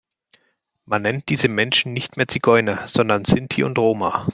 Man nennt diese Menschen nicht mehr Zigeuner, sondern Sinti und Roma.